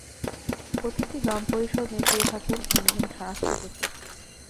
প্রতিটি গ্রাম পরিষদ নেতৃত্বে থাকে একজন রাষ্ট্রপতি।